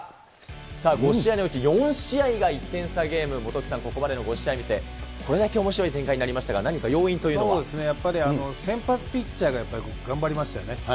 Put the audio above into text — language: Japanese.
さあ、５試合のうち４試合が１点差ゲーム、元木さん、ここまでの５試合見て、これだけおもしろい展開になりましたが、何か要因とそうですね、やっぱり先発ピッチャーがやっぱり頑張りましたよね。